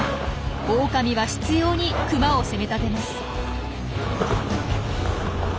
オオカミは執ようにクマを攻めたてます。